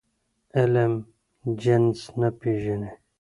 علم جنس نه پېژني.